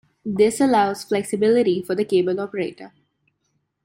This allows flexibility for the cable operator.